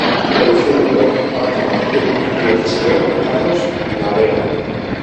Producido por Paco Martín y el chileno Carlos Narea.